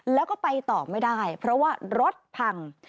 แล้วก็ไปต่อไม่ได้เพราะว่ารถพัง